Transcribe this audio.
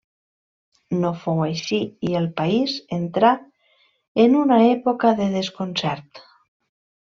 No fou així i el país entrà en una època de desconcert.